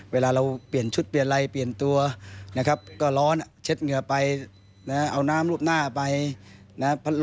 เวลาเราเปลี่ยนชุดเปลี่ยนอะไรเปลี่ยนตัวนะครับก็ร้อนเช็ดเหงื่อไปนะเอาน้ำรูปหน้าไปนะครับ